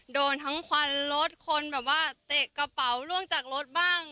โดนทั้งควันรถคนแบบว่าเตะกระเป๋าล่วงจากรถบ้าง